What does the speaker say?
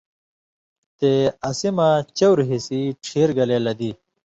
تے اسی مہ چؤر حصی ڇھیر گلے لدی۔